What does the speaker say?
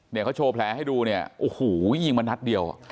เนี่ยเขาโชว์แผลให้ดูเนี่ยโอ้โหยิงมานัดเดียว